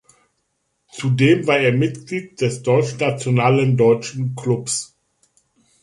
Zudem war er Mitglied des deutschnationalen Deutschen Klubs.